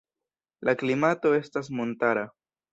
La klimato estas montara.